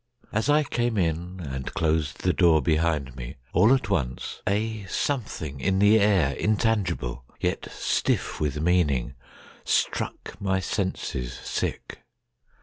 —As I came inAnd closed the door behind me, all at onceA something in the air, intangible, Yet stiff with meaning, struck my senses sick!